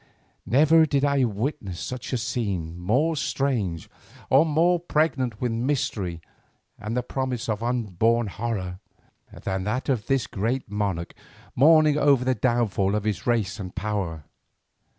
Never did I witness a scene more strange or more pregnant with mystery and the promise of unborn horror, than that of this great monarch mourning over the downfall of his race and power.